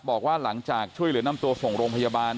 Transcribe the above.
บอกว่าหลังจากช่วยและนำตัวโพรงพยาบาล